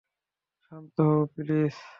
শান্ত হও, প্লিজ!